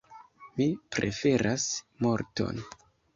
Mi preferas morton!